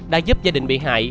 đã giúp gia đình bị hại